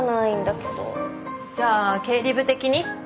じゃあ経理部的に？